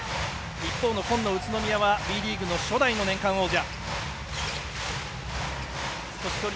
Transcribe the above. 一方の紺の宇都宮はＢリーグの初代の年間王者。